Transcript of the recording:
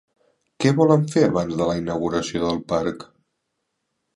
Què volen fer abans de la inauguració del parc?